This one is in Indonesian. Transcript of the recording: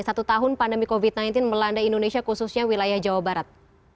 satu tahun pandemi covid sembilan belas melanda indonesia khususnya wilayah jawa barat